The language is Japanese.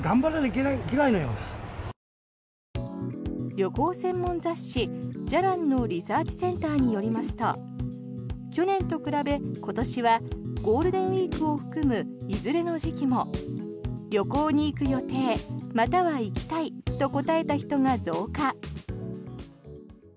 旅行専門雑誌「じゃらん」のリサーチセンターによりますと去年と比べ今年はゴールデンウィークを含むいずれの時期も旅行に行く予定または行きたいと答えた人が増加。